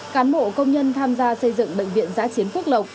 cán bộ công nhân tham gia xây dựng bệnh viện giã chiến phước lộc